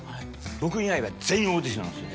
僕以外は全員オーディションなんですよ。